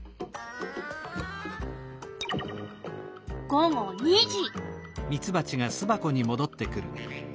午後２時。